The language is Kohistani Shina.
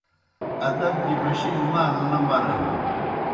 ادت گیْ بشلیْ نہ مرینَن